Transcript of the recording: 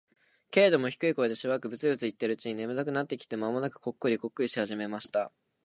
けれども、低い声でしばらくブツブツ言っているうちに、眠たくなってきて、間もなくコックリコックリし始めました。